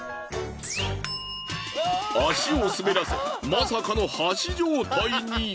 足を滑らせまさかの橋状態に！